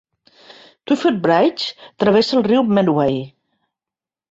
Twyford Bridge travessa el riu Medway.